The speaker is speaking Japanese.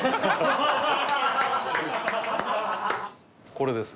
これです